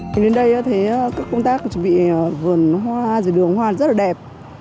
mình đến đây thấy các công tác chuẩn bị vườn hoa rửa đường hoa rất là đẹp